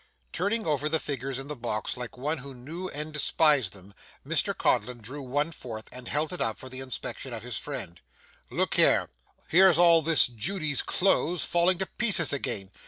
Turning over the figures in the box like one who knew and despised them, Mr Codlin drew one forth and held it up for the inspection of his friend: 'Look here; here's all this judy's clothes falling to pieces again.